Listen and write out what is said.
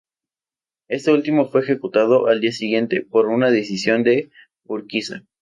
Este último fue ejecutado al día siguiente, por decisión de Urquiza.